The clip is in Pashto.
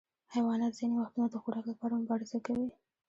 حیوانات ځینې وختونه د خوراک لپاره مبارزه کوي.